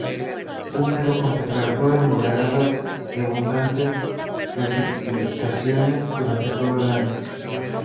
Húmedo, con temperaturas moderadas y abundantes precipitaciones durante todo el año.